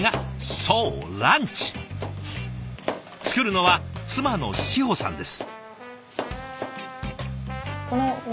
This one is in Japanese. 作るのは妻の志穂さんです。